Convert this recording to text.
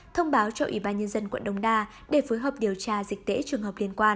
thông báo cho ubnd quận đông đa để phối hợp điều tra dịch tễ trường hợp liên quan